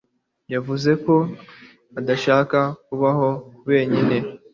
yavuze ko adashaka kubaho wenyine.